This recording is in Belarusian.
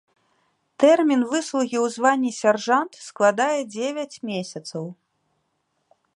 Тэрмін выслугі ў званні сяржант складае дзевяць месяцаў.